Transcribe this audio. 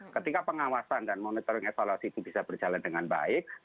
ketika pengawasan dan monitoring evaluasi itu bisa berjalan dengan baik